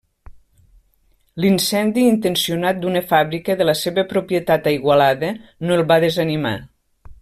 L'incendi intencionat d'una fàbrica de la seva propietat a Igualada no el va desanimar.